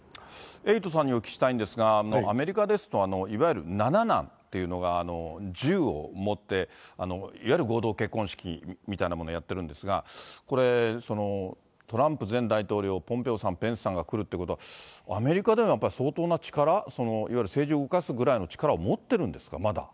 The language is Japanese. エイトさんにお聞きしたいんですが、アメリカですと、いわゆる七男というのが、銃を持っていわゆる合同結婚式みたいなものをやってるんですが、これ、トランプ大統領、ポンペオさん、ペンスさんが来るということは、アメリカでのやっぱり相当な力、いわゆる政治を動かすぐらいの力を持っているんですか。